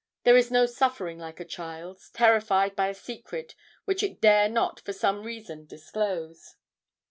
There is no suffering like a child's, terrified by a secret which it dare not for some reason disclose.